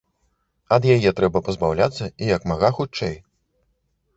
Ад яе трэба пазбаўляцца і як мага хутчэй.